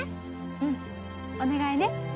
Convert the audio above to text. うんお願いね。